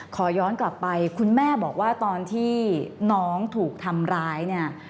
ขอย้อนกลับไปคุณแม่บอกว่าตอนที่น้องถูกทำร้ายเนี่ย